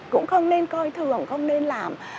cũng không nên coi thường không nên làm